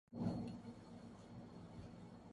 گی لیکن امید ہے کہ بہت حد تک کم ضرور ہو جائیں گی۔